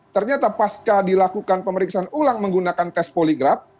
ternyata pasca dilakukan pemeriksaan ulang menggunakan tes poligraf